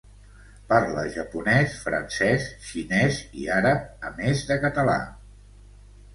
Parla japonès, francès, xinès i àrab, a més de català.